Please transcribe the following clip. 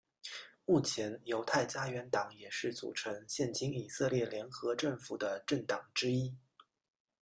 目前犹太家园党也是组成现今以色列联合政府的政党之一。